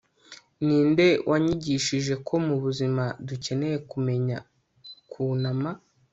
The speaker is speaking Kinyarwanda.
ninde wanyigishije ko mubuzima dukeneye kumenya kunama